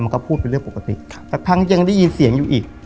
มันก็พูดเป็นเรื่องปกติแต่ทั้งที่ยังได้ยินเสียงอยู่อีก